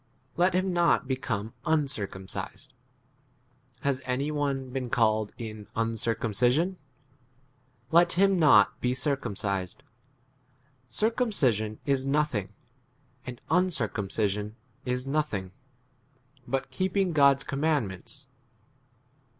let him not become uncircumcised : has any one been called in un circumcision ? 19 let him not be circumcised. Cir cumcision is nothing, and uncir cumcision is nothing ; but keeping 20 God's commandments.